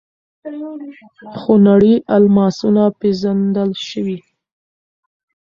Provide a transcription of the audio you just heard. خونړي الماسونه پېژندل شوي.